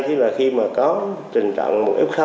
tức là khi mà có trình trận một f